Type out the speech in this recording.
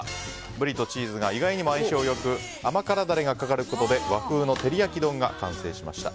ブリとチーズが意外にも相性良く甘辛ダレがかかることで和風の照り焼き丼が完成しました。